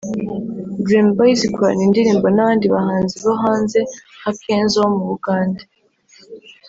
Dream boys ikorana indirimbo n’abandi bahanzi bo hanze nka Kenzo wo mu Bugande